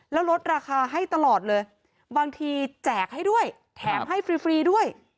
แล้วลดราคาให้ตลอดเลยบางทีแจกให้ด้วยแถมให้ฟรีด้วย